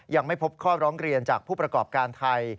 ยังไม่พบข้อร้องเรียนจากผู้ประกอบการไทย